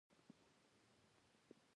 هندوستان پر لور رهي شي.